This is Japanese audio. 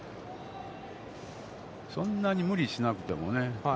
そんなに無理しなくてもね。